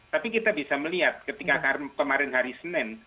tapi kita bisa melihat ketika kemarin hari senin